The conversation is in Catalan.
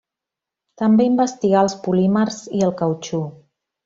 També investigar els polímers i el cautxú.